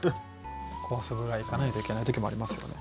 壊すぐらいいかないといけない時もありますよね。